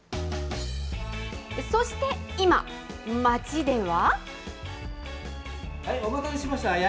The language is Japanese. そして今、町では。